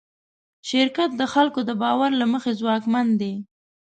شرکت د خلکو د باور له مخې ځواکمن دی.